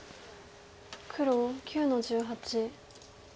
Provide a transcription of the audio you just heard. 黒９の十八。